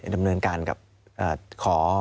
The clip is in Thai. ดำเนินการกับขอ